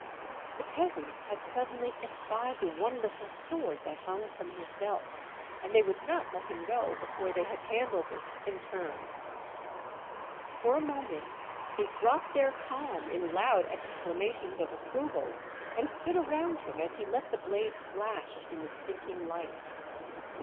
The peasants had suddenly espied the wonderful sword that hung from his belt, and they would not let him go before they had handled it in turns. For a moment they dropped their calm in loud exclamations of approval, and stood around him as he let the blade flash in the sinking light.